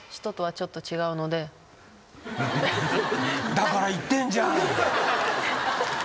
だから言ってんじゃん。